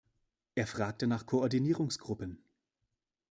Er fragte nach Koordinierungsgruppen.